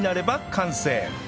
完成！